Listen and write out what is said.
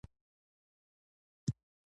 جنګ سوړ شو، میری تود شو.